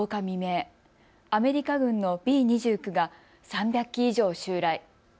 未明、アメリカ軍のＢ２９が３００機以上襲来。